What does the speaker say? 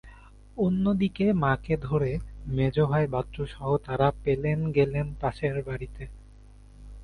অন্যদিকে মাকে ধরে মেজ ভাই বাচ্চুসহ তারা পেলেন গেলেন পাশের বাড়িতে।